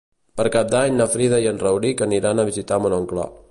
Per Cap d'Any na Frida i en Rauric aniran a visitar mon oncle.